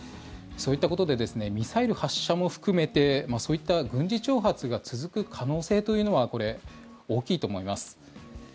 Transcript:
そういったことでミサイル発射も含めてそういった軍事挑発が続く可能性というのは大きいと思います。